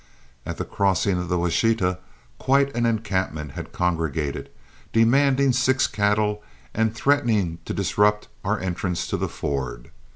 At the crossing of the Washita quite an encampment had congregated, demanding six cattle and threatening to dispute our entrance to the ford.